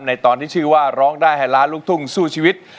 ตอนที่ชื่อว่าร้องได้ให้ล้านลูกทุ่งสู้ชีวิต